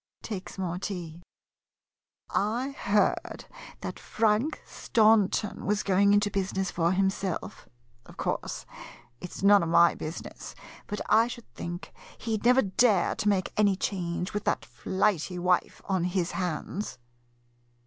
[Takes more tea.] I heard that that Frank Staunton was going into business for himself. Of course, it 's none of my business, but I should think he 'd never dare to make any change, with that flighty wife on his hands.